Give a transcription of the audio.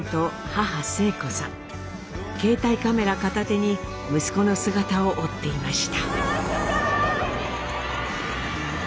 携帯カメラ片手に息子の姿を追っていました。